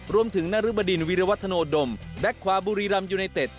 รวมถึงนรุบดินวิรวัฒโธโดมแบคควาบุรีรัมย์ยูไนเต็ด